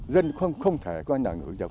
dân không thể coi là nổi được